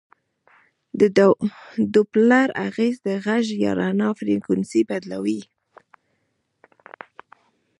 د ډوپلر اغېز د غږ یا رڼا فریکونسي بدلوي.